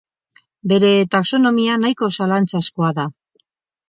Bere taxonomia nahiko zalantzazkoa da.